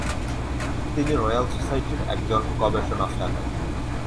তিনি রয়াল সোসাইটির একজন গবেষণা ফেলো।